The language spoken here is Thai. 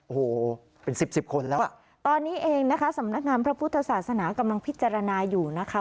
โอ้โหเป็นสิบสิบคนแล้วอ่ะตอนนี้เองนะคะสำนักงานพระพุทธศาสนากำลังพิจารณาอยู่นะคะ